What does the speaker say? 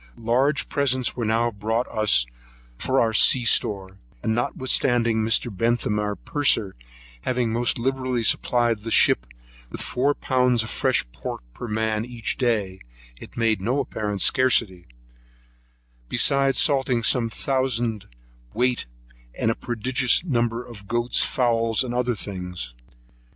Large presents were now brought us for our sea store; and notwithstanding Mr. Bentham our purser having most liberally supplied the ship with four pounds of fresh pork per man each day, it made no apparent scarcity; beside salting some thousand weight, and a prodigious number of goats, fowls, and other things.